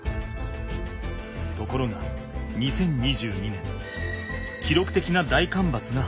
ところが２０２２年きろく的な大干ばつが発生。